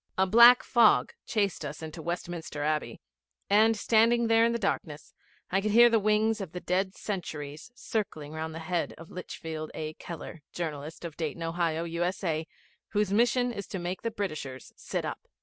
A black fog chased us into Westminster Abbey, and, standing there in the darkness, I could hear the wings of the dead centuries circling round the head of Litchfield A. Keller, journalist, of Dayton, Ohio, U.S.A., whose mission it was to make the Britishers sit up.